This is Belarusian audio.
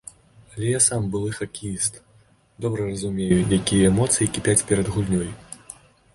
Але я сам былы хакеіст, добра разумею, якія эмоцыі кіпяць перад гульнёй.